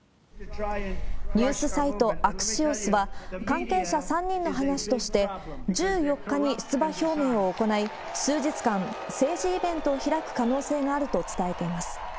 ニュースサイト、アクシオスは、関係者３人の話として、１４日に出馬表明を行い、数日間、政治イベントを開く可能性があると伝えています。